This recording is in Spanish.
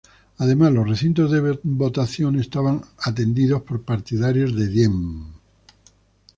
Además los recintos de votación estaban atendidos por partidarios de Diem.